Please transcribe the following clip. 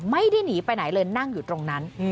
ไม่ได้หนีไปไหนเลยนั่งอยู่ตรงนั้น